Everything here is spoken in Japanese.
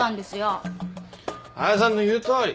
・彩さんの言うとおり。